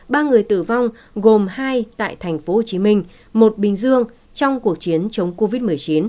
ba người tử vong gồm hai tại tp hcm một bình dương trong cuộc chiến chống covid một mươi chín